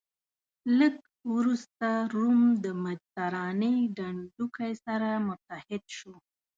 لږ وروسته روم د مدترانې ډنډوکی سره متحد شو.